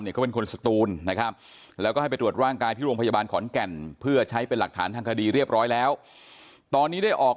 เขาเป็นคนสตูนนะครับแล้วก็ให้ไปตรวจร่างกายที่โรงพยาบาลขอนแก่นเพื่อใช้เป็นหลักฐานทางคดีเรียบร้อยแล้วตอนนี้ได้ออก